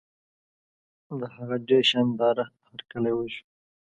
د هغه ډېر شان داره هرکلی وشو.